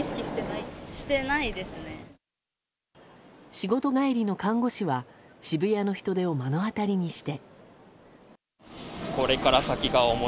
仕事帰りの看護師は渋谷の人出を目の当たりにして。